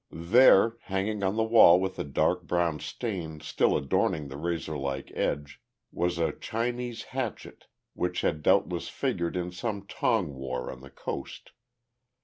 There, hanging on the wall with a dark brown stain still adorning the razorlike edge, was a Chinese hatchet which had doubtless figured in some tong war on the Coast.